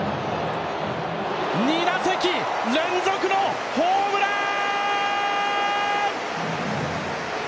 ２打席連続のホームラーーン！！